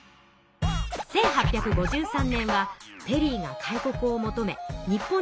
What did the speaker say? １８５３年はペリーが開国を求め日本にやって来た年。